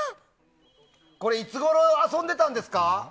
いつごろ遊んでたんですか？